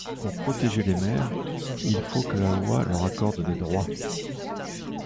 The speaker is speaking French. Pour protéger les mères, il faut que la loi leur accorde des droits.